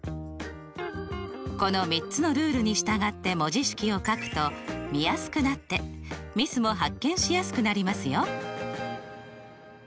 この３つのルールに従って文字式を書くと見やすくなってミスも発見しやすくなりますよ。